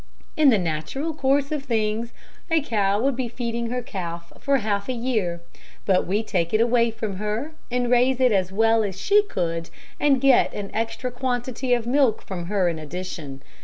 In the natural course of things, a cow would be feeding her calf for half a year, but we take it away from her, and raise it as well as she could and get an extra quantity of milk from her in addition.